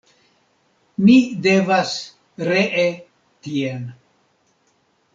Mi devas ree tien.